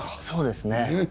そうですね。